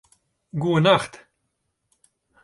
Goenacht